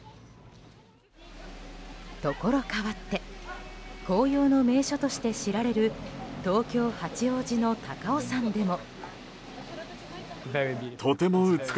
ところ変わって紅葉の名所として知られる東京・八王子の高尾山でも。